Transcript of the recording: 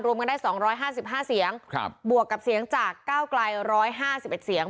กันได้๒๕๕เสียงบวกกับเสียงจากก้าวไกล๑๕๑เสียง